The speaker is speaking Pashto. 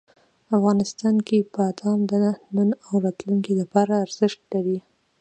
افغانستان کې بادام د نن او راتلونکي لپاره ارزښت لري.